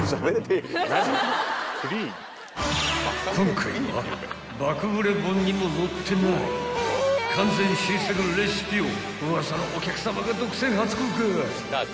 ［今回は爆売れ本にも載ってない完全新作レシピを『ウワサのお客さま』が独占初公開］